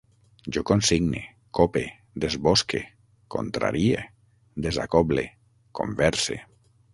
Jo consigne, cope, desbosque, contrarie, desacoble, converse